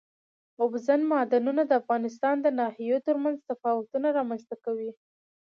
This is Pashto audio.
اوبزین معدنونه د افغانستان د ناحیو ترمنځ تفاوتونه رامنځ ته کوي.